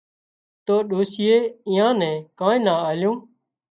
تو ڏوشيئي ايئان نين ڪانئين نا آليون